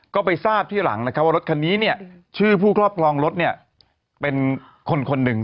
ก็ไปทราบที่หลังนะครับว่ารถคันนี้เนี่ยชื่อผู้ครอบครองรถเนี่ยเป็นคนคนหนึ่ง